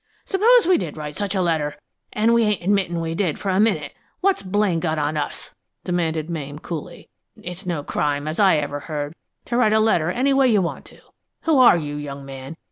"Suppose we did write such a letter an' we ain't admittin' we did, for a minute what's Blaine got on us?" demanded Mame, coolly. "It's no crime, as I ever heard, to write a letter any way you want to. Who are you, young man?